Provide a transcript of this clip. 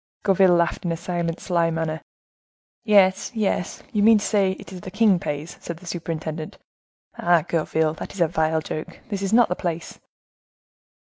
Gourville laughed in a silent, sly manner. "Yes, yes, you mean to say it is the king pays," said the superintendent. "Ah, Gourville, that is a vile joke; this is not the place."